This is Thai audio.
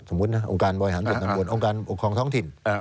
สมมุตินะองค์การบริหารส่วนจังหวัดองค์การอุคคลองท้องถิ่น